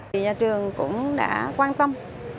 thì nhà trường cũng đã quan tâm